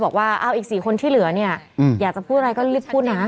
บอกว่าเอาอีก๔คนที่เหลือเนี่ยอยากจะพูดอะไรก็รีบพูดนะ